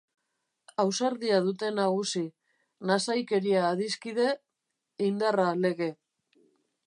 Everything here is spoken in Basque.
Ausardia dute nagusi, nasaikeria adiskide, indarra lege.